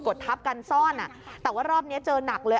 ดทับกันซ่อนแต่ว่ารอบนี้เจอหนักเลย